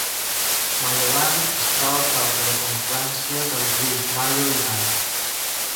Mayodan es troba a prop de la confluència dels rius Mayo i Dan.